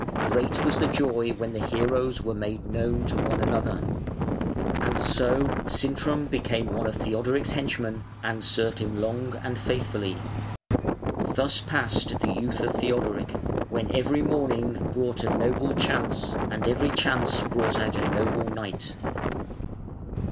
Great was the joy when the heroes were made known one to another. And so Sintram became one of Theodoric's henchmen, and served him long and faithfully. Thus passed the youth of Theodoric "When every morning brought a noble chance. And every chance brought out a noble knight".